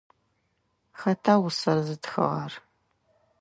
Хэта усэр зытхыгъэр?